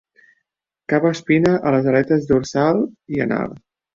Cap espina a les aletes dorsal i anal.